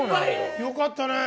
よかったね。